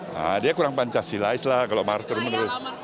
nah dia kurang pancasilais lah kalau martir menurut